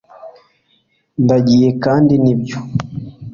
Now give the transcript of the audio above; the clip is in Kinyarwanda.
ndagiye kandi nibyo